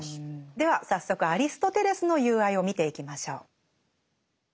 では早速アリストテレスの「友愛」を見ていきましょう。